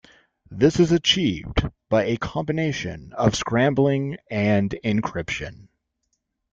This is achieved by a combination of scrambling and encryption.